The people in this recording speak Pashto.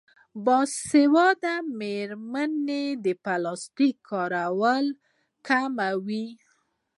باسواده میندې د پلاستیک کارول کموي.